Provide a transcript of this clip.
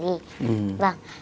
thì không thiệt hại gì